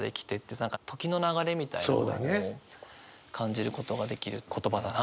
何か時の流れみたいなのを感じることができる言葉だなと思いました。